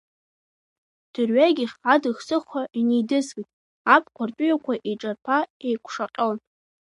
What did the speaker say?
Дырҩегьых адых-сыххәа инеидыслеит, абқәа ртәыҩақәа еиҿарԥа еиқәшаҟьон…